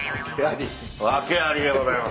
訳ありでございます。